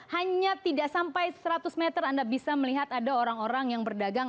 hanya tidak sampai seratus meter anda bisa melihat ada orang orang yang berdagang